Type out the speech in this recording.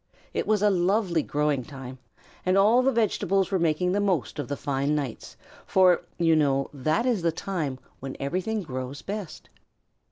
It was a lovely growing time, and all the vegetables were making the most of the fine nights, for, you know, that is the time when everything grows best.